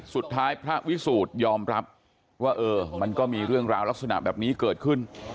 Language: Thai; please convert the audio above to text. สุดท้ายพระวิสูจน์ยอมรับว่าเออมันก็มีเรื่องราวลักษณะแบบนี้เกิดขึ้น